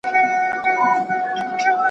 تمسک القضات او حکمت اسلامي